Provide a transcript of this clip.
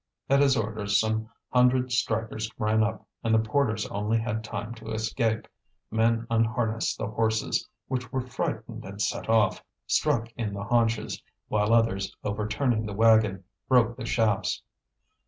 At his orders some hundred strikers ran up, and the porters only had time to escape. Men unharnessed the horses, which were frightened and set off, struck in the haunches; while others, overturning the wagon, broke the shafts.